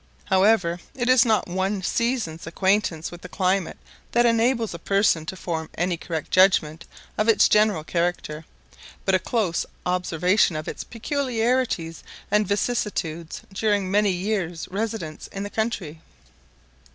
However, it is not one season's acquaintance with the climate that enables a person to form any correct judgment of its general character, but a close observance of its peculiarities and vicissitudes during many years' residence in the country.